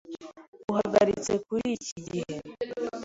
Uhagaritse kuriki gihe.